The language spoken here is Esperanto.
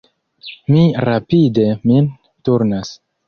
Mi rapide min turnas.